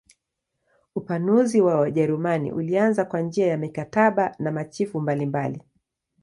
Upanuzi wa Wajerumani ulianza kwa njia ya mikataba na machifu mbalimbali.